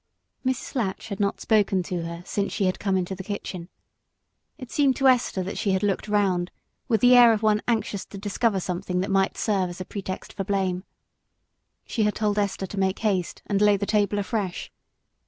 For Mrs. Latch had not spoken to her since she had come into the kitchen, and it seemed to Esther that she had looked round with the air of one anxious to discover something that might serve as a pretext for blame. She had told Esther to make haste and lay the table afresh.